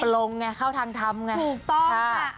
ลงไงเข้าทางทำไงถูกต้องค่ะ